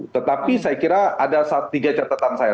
tetapi saya kira ada tiga catatan saya